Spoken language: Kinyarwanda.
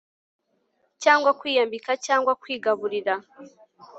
cyangwa kwiyambika cyangwa kwigaburira